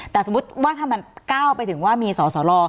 แต่สมมุติว่าถ้ามันก้าวไปถึงว่ามีสสล